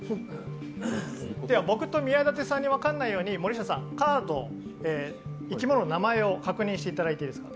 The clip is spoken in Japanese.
僕と宮舘さんに分からないように森下さん、カードの生き物の名前を確認していただいていいですか